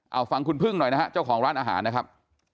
เอาฟังคุณพึ่งหน่อยนะฮะเจ้าของร้านอาหารนะครับ